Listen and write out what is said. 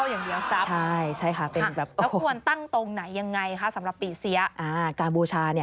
ไม่เอาออกเลยรับเข้าอย่างเดียวซับ